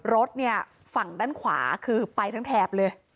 รถเนี่ยฝั่งด้านขวาคือไปทั้งแถบเลย